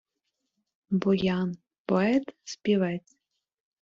Боян — поет, співець